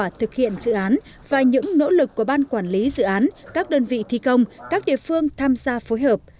phó chủ tịch quốc hội đỗ bá tị đã thực hiện dự án và những nỗ lực của ban quản lý dự án các đơn vị thi công các địa phương tham gia phối hợp